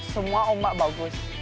semua ombak bagus